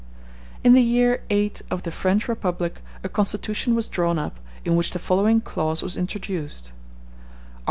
In the year VIII of the French Republic a constitution was drawn up in which the following clause was introduced: "Art.